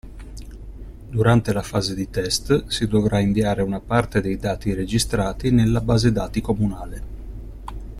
Durante la fase di test, si dovrà inviare una parte dei dati registrati nella base dati comunale.